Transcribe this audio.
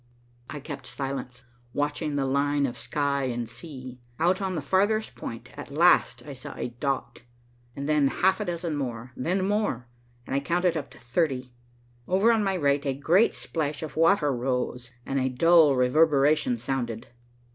I kept silence, watching the line of sky and sea. Out on the farthest point, at last I saw a dot, then half a dozen more, then more, and I counted up to thirty. Over on my right a great splash of water rose, and a dull reverberation sounded.